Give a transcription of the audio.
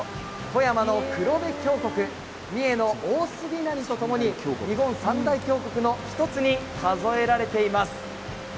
富山の黒部渓谷、三重の大杉谷とともに日本三大渓谷の一つに数えられています。